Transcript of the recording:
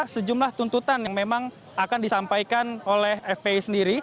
sejumlah tuntutan yang memang akan disampaikan oleh fpi sendiri